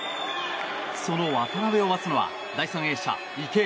その渡部を待つのは第３泳者、池江。